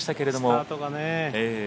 スタートがね。